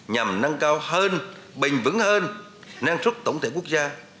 nhằm nâng cao hơn bình vững hơn năng suất tổng thể quốc gia